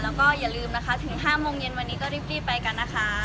แล้วก็อย่าลืมนะคะถึง๕โมงเย็นวันนี้ก็รีบไปกันนะคะ